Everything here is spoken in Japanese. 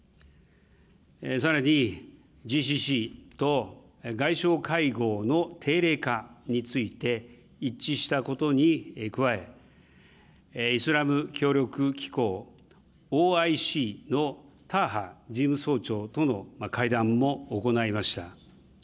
さらに、ＧＣＣと外相会合の定例化について、一致したことに加え、イスラム協力機構・ＯＩＣのターハ事務総長との会談も行いました。